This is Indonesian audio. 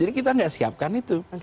jadi kita enggak siapkan itu